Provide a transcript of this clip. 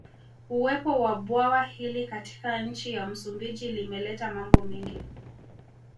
Uwepo wa bwawa hili katika nchi ya Msumbiji limeleta mambo mengi